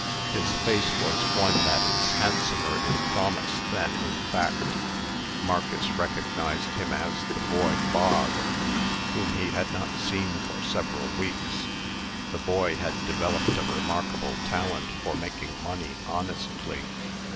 His face was one that is handsomer in promise than in fact. Marcus recognized him as the boy Bog, whom he had not seen for several weeks. The boy had developed a remarkable talent for making money honestly.